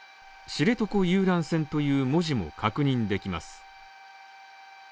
「知床遊覧船」という文字も確認できます。